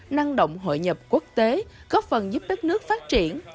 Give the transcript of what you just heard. năng động hội nhập quốc tế góp phần giúp đất nước phát triển